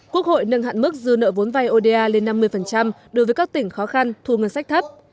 quốc hội nâng hạn mức dư nợ vốn vai oda lên năm mươi đối với các tỉnh khó khăn thu ngân sách thấp